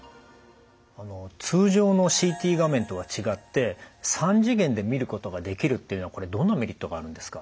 通常のＣＴ画面とは違って３次元で見ることができるっていうのはどんなメリットがあるんですか？